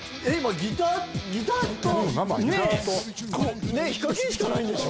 ギターとＨＩＫＡＫＩＮしかないんでしょ？